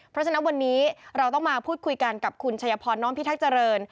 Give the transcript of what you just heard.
เพราะฉะนั้นวันนี้เราต้องมาพูดคุยกันกับคุณชัยพรน้อมพิทักษ์เจริญ